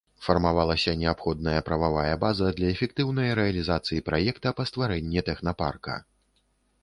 Фармавалася неабходная прававая база для эфектыўнай рэалізацыі праекта па стварэнні тэхнапарка.